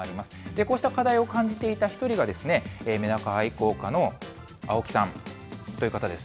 こうした課題を感じていた一人が、メダカ愛好家の青木さんという方です。